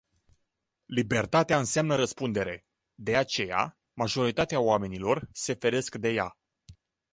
Libertatea înseamnă răspundere. De aceea majoritatea oamenilor se feresc de ea.